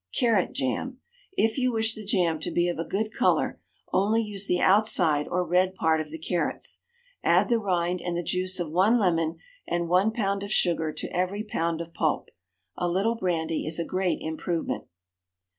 CARROT JAM. If you wish the jam to be of a good colour, only use the outside or red part of the carrots. Add the rind and the juice of one lemon, and one pound of sugar to every pound of pulp; a little brandy is a great improvement.